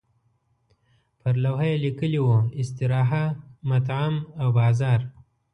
پر لوحه یې لیکلي وو استراحه، مطعم او بازار.